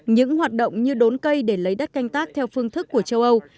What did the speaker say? những hoạt động như đốn cây để lấy đất canh tác theo phương thức của châu âu